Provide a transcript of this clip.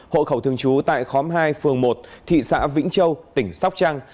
hộ khẩu thường trú tại khóm hai phường một thị xã vĩnh châu tỉnh sóc trăng